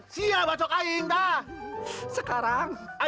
si agan pak melenser si agan